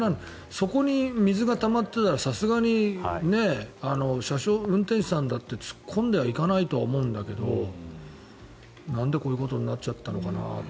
そこに水がたまっていたらさすがに運転手さんだって突っ込んでいかないと思うんだけどなんでこういうことになっちゃったのかなと